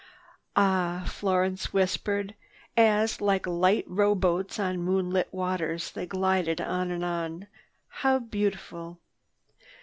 "Ah," Florence whispered as, like light row boats on moonlit waters they glided on and on, "how beautiful!